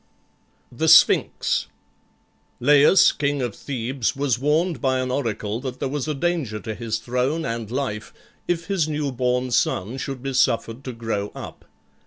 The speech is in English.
THE SPHINX Laius, king of Thebes, was warned by an oracle that there was danger to his throne and life if his new born son should be suffered to grow up.